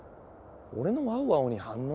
俺の「ワオワオ」に反応？